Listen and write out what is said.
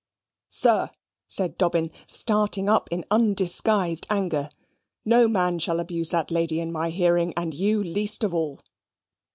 "Sir," said Dobbin, starting up in undisguised anger; "no man shall abuse that lady in my hearing, and you least of all."